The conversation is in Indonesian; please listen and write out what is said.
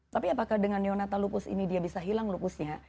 tapi apakah dengan neonata lupus ini dia bisa hilang lupusnya